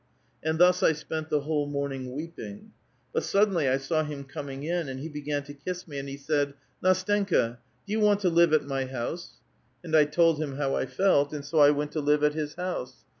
And thus I spent the whole morning weeping. But suddenly 1 saw him coming in, and he began to kiss me, and he said, * NAstenka, do you want to live at my house?* And I told him how I felt ; and so I went to live at his house.